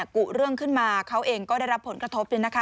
กุเรื่องขึ้นมาเขาเองก็ได้รับผลกระทบ